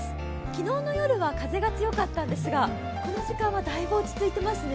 昨日の夜は風が強かったんですが、この時間はだいぶ落ち着いてますね。